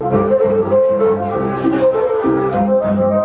สวัสดีครับสวัสดีครับ